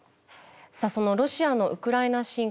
さあそのロシアのウクライナ侵攻